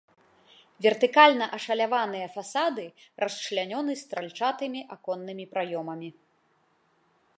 Вертыкальна ашаляваныя фасады расчлянёны стральчатымі аконнымі праёмамі.